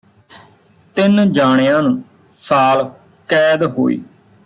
ਤਿੰਨ ਜਾਣਿਆਂ ਨੂੰ ਸਾਲ ਕੈਦ ਹੋਈ